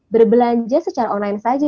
berbelanja secara online saja